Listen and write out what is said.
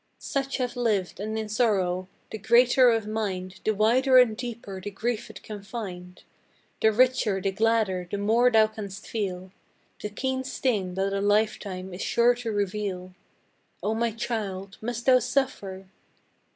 Such have lived and in sorrow. The greater the mind The wider and deeper the grief it can find. The richer, the gladder, the more thou canst feel The keen stings that a lifetime is sure to reveal. O my child! Must thou suffer?